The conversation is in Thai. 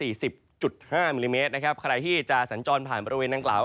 ๔๐๕มิลลิเมตรใครที่จะสัญจรภัณฑ์ผ่านบริเวณนังกล่าว